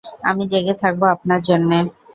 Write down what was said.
আমি জেগে থাকব আপনার জন্যে।